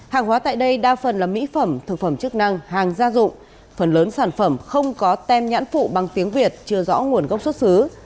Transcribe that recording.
hàng hóa tại đây đa phần là mỹ phẩm thực phẩm chức năng hàng gia dụng phần lớn sản phẩm không có tem nhãn phụ bằng tiếng việt chưa rõ nguồn gốc xuất xứ